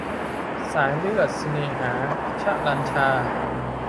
สายเลือดสิเน่หา - ฌรัณฌา